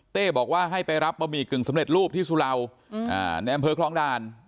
บอกว่าให้ไปรับบะหมี่กึ่งสำเร็จรูปที่สุราวในอำเภอคลองด่าน